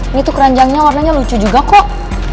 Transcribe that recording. ini tuh keranjangnya warnanya lucu juga kok